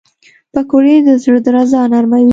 پکورې د زړه درزا نرموي